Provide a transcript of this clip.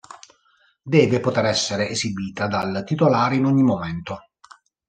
Deve poter essere esibita dal titolare in ogni momento.